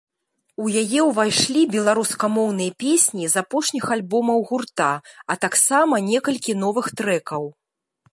У яе ўвайшлі беларускамоўныя песні з апошніх альбомаў гурта, а таксама некалькі новых трэкаў.